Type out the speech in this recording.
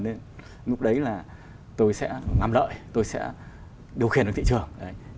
lúc đấy là tôi sẽ làm lợi tôi sẽ điều khiển được thị trường